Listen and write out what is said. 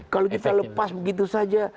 kalau kita lepas begitu saja